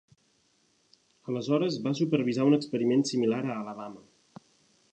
Aleshores, va supervisar un experiment similar a Alabama.